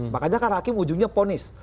makanya kan hakim ujungnya ponis